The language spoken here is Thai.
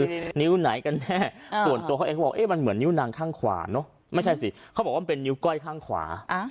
คือนิ้วไหนกันแน่ส่วนตัวเขาเองก็บอกเอ๊ะมันเหมือนนิ้วนางข้างขวาเนอะไม่ใช่สิเขาบอกว่ามันเป็นนิ้วก้อยข้างขวา